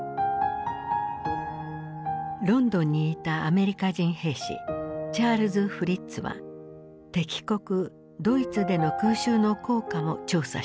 ロンドンにいたアメリカ人兵士チャールズ・フリッツは敵国ドイツでの空襲の効果も調査していた。